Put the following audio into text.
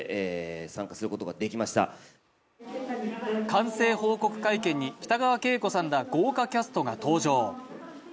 完成報告会見に北川景子さんら豪華キャストが登場。